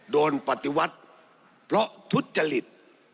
ปฏิวัติเพราะทุจจริต